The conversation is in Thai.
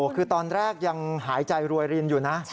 คือตอนแรกยังหายใจรวยรินอยู่นะ